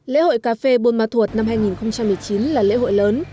lễ hội cà phê buôn ma thuột năm hai nghìn một mươi chín là lễ hội lớn